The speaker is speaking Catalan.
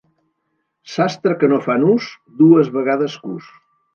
Sastre que no fa nus, dues vegades cus.